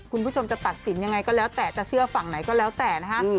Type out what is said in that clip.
คุณผู้ชมจะตัดสินยังไงก็แล้วแต่จะเชื่อฝั่งไหนก็แล้วแต่นะฮะ